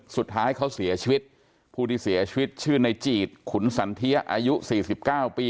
สุดท้ายเขาเสียชีวิตผู้ที่เสียชีวิตชื่อในจีดขุนสันเทียอายุ๔๙ปี